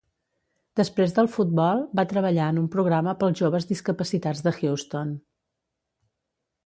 Després del futbol, va treballar en un programa pels joves discapacitats de Houston.